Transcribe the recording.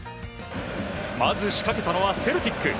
まず仕掛けたのはセルティック。